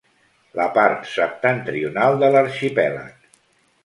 La part septentrional de l'arxipèlag.